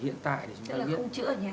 chúng ta không chữa ở nhà